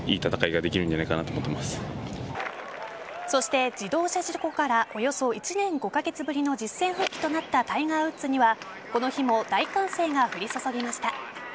そして自動車事故からおよそ１年５カ月ぶりの実戦復帰となったタイガー・ウッズにはこの日も大歓声が降り注ぎました。